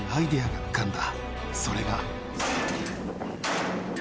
それが。